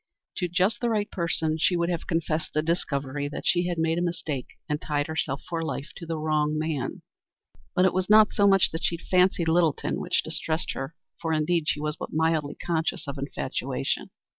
To just the right person she would have confessed the discovery that she had made a mistake and tied herself for life to the wrong man. It was not so much that she fancied Littleton which distressed her, for, indeed, she was but mildly conscious of infatuation.